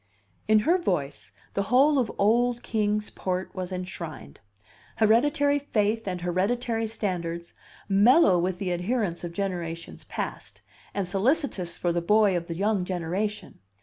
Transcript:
In her voice, the whole of old Kings Port was enshrined: hereditary faith and hereditary standards, mellow with the adherence of generations past, and solicitous for the boy of the young generation.